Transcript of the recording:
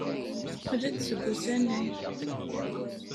Teqqel-d seg usanay.